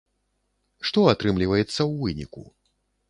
Што атрымліваецца ў выніку?